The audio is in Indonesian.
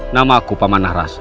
namaku pamanah rasa